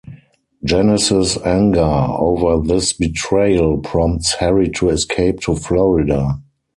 Janice's anger over this betrayal prompts Harry to escape to Florida.